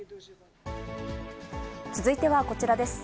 続いてはこちらです。